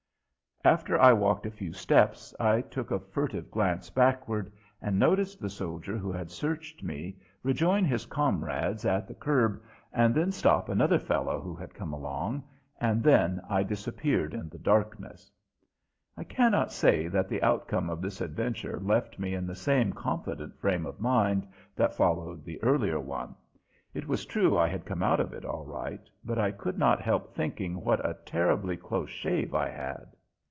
After I walked a few steps I took a furtive glance backward and noticed the soldier who had searched me rejoin his comrades at the curb and then stop another fellow who had come along, and then I disappeared in the darkness. I cannot say that the outcome of this adventure left me in the same confident frame of mind that followed the earlier one. It was true I had come out of it all right, but I could not help thinking what a terribly close shave I had.